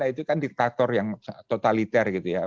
itu kan diktator yang totaliter gitu ya